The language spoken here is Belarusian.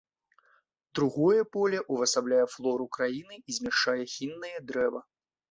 Другое поле ўвасабляе флору краіны і змяшчае хіннае дрэва.